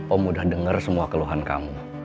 om udah denger semua keluhan kamu